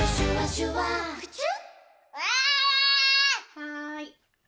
はい。